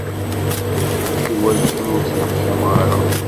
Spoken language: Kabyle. Iwakken ur ttneḥcameɣ ara.